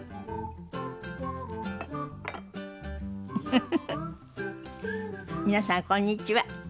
フフフフ皆さんこんにちは。